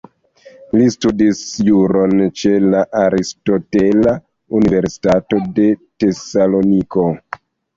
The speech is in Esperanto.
Li studis juron ĉe la Aristotela Universitato de Tesaloniko.